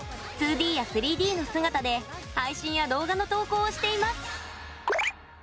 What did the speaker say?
２Ｄや３Ｄの姿で配信や動画の投稿をしています。